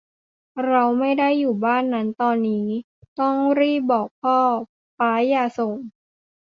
เราไม่ได้อยู่บ้านนั้นตอนนี้ ต้องรีบบอกพ่อ ป๊าอย่าส่ง